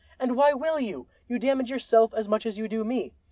And why will you? You damage yourself as much as you do me.